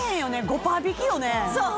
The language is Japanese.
５パー引きよね。